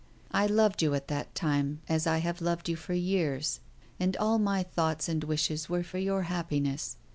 I loved you at that time as I have loved you for years, and all my thoughts and wishes were for your happiness.